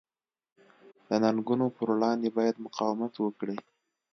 د ننګونو پر وړاندې باید مقاومت وکړي.